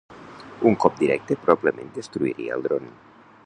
Un cop directe probablement destruiria el drone.